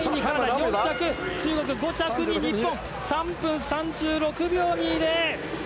４着に中国、５着に日本３分３６秒２０。